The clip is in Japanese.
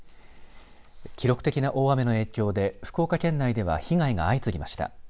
記録的な大雨の影響で福岡県内では被害が相次ぎました。